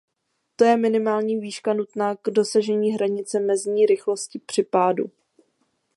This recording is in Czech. To je minimální výška nutná k dosažení hranice mezní rychlosti při pádu.